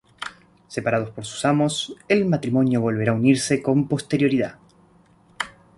Separados por sus amos, el matrimonio volverá a unirse con posterioridad.